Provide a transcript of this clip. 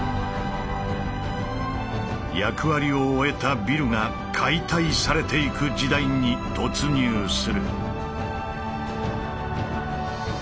役割を終えたビルが解体されていく時代に突入する。